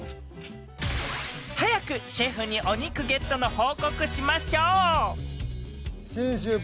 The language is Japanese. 秡瓩シェフにお肉ゲットの報告しましょう廛譽潺